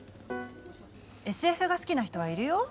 ＳＦが好きな人はいるよ？